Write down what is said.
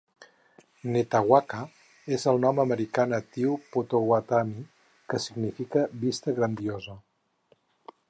Netawaka és un nom americà natiu Pottawatami que significa "vista grandiosa".